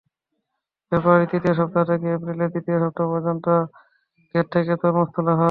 ফেব্রুয়ারির তৃতীয় সপ্তাহ থেকে এপ্রিলের দ্বিতীয় সপ্তাহ পর্যন্ত খেত থেকে তরমুজ তোলা হয়।